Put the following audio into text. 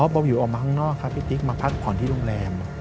ออบระรวิวออกมาข้างนอกมาพักผ่อนลงแรม